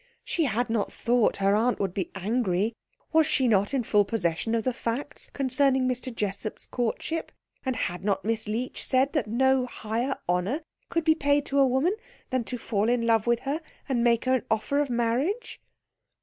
She had not thought her aunt would be angry was she not in full possession of the facts concerning Mr. Jessup's courtship? And had not Miss Leech said that no higher honour could be paid to a woman than to fall in love with her and make her an offer of marriage?